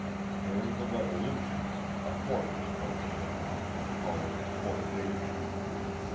During the Revolution arafl^ was built at Herkimer and called Fort Dayton.)